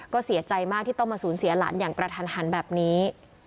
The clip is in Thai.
ก็เสียใจมากที่ต้องมาสูญเสียหลานอย่างกระทันหันแบบนี้